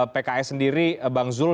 pks sendiri bang zul